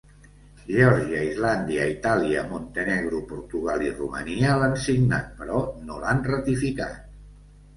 Geòrgia, Islàndia, Itàlia, Montenegro, Portugal i Romania l'han signat però no l'han ratificat.